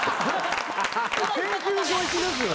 研究所行きですよ。